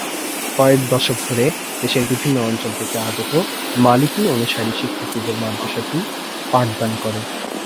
কয়েক দশক ধরে দেশের বিভিন্ন অঞ্চল থেকে আগত মালিকি অনুসারী শিক্ষার্থীদের মাদ্রাসাটি পাঠদান করে।